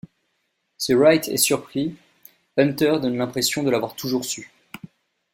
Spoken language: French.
Si Wright est surpris, Hunter donne l'impression de l'avoir toujours su.